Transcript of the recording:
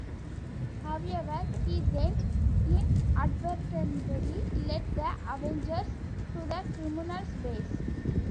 However, he then inadvertently led the Avengers to the criminals' base.